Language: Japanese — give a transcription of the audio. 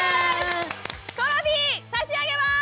トロフィー差し上げます。